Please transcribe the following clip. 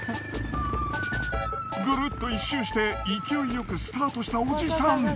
ぐるっと一周して勢いよくスタートしたオジサン。